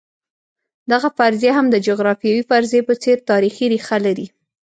دغه فرضیه هم د جغرافیوي فرضیې په څېر تاریخي ریښه لري.